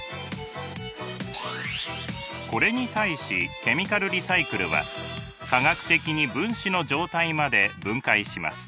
これに対しケミカルリサイクルは化学的に分子の状態まで分解します。